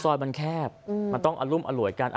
สอดมันแคบต้องอารุมอร่อยกัน